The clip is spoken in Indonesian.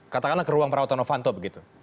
katakanlah ke ruang perawatan novanto begitu